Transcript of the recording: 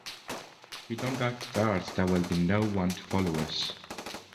If we don't act first, there will be no one to follow us.